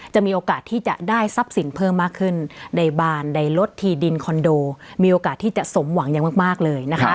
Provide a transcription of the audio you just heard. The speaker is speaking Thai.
มีโอกาสที่จะได้ทรัพย์สินเพิ่มมากขึ้นในบานในรถที่ดินคอนโดมีโอกาสที่จะสมหวังอย่างมากเลยนะคะ